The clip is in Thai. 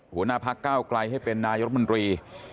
หัวหน้าภักษ์ก้าวไกลให้เป็นนายรบนรี